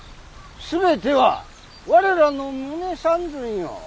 全ては我らの胸三寸よ。